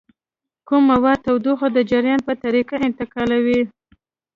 کوم مواد تودوخه د جریان په طریقه انتقالوي؟